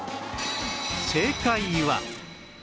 正解は